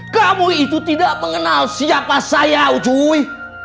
kamu itu tidak mengenal siapa saya ujui